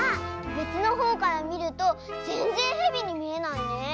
べつのほうからみるとぜんぜんヘビにみえないね。